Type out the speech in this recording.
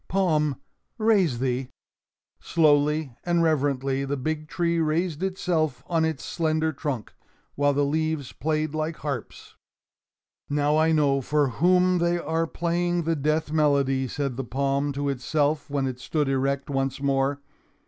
Palm, raise thee!" Slowly and reverently the big tree raised itself on its slender trunk, while the leaves played like harps. "Now I know for whom they are playing the death melody," said the palm to itself when it stood erect once more.